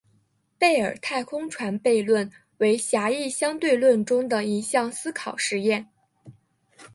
贝尔太空船悖论为狭义相对论中的一项思考实验。